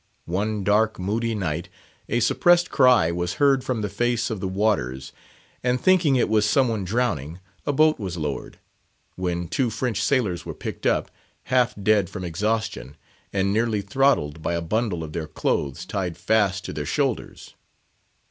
One dark, moody night, a suppressed cry was heard from the face of the waters, and, thinking it was some one drowning, a boat was lowered, when two French sailors were picked up, half dead from exhaustion, and nearly throttled by a bundle of their clothes tied fast to their shoulders.